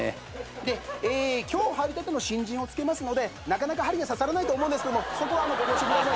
で今日入りたての新人をつけますのでなかなか針が刺さらないと思うんですけどもそこはご了承くださいね。